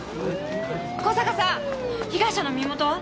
小坂さん被害者の身元は？